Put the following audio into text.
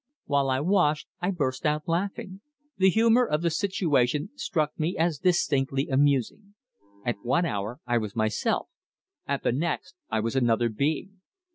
While I washed I burst out laughing. The humour of the situation struck me as distinctly amusing. At one hour I was myself; at the next I was another being!